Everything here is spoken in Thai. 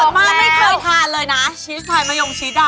ดูดมาไม่เคยทานเลยนะชีสไพรมายงชิดอะ